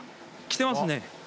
来てますね。